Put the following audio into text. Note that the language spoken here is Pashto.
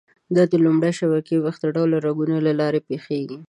دا د لومړنۍ شبکې ویښته ډوله رګونو له لارې پېښېږي.